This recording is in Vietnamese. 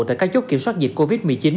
tại các chốt kiểm soát dịch covid một mươi chín